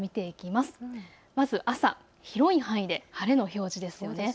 まず朝広い範囲で晴れの表示です。